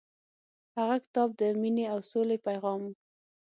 هغه کتاب د مینې او سولې پیغام و.